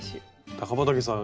高畠さん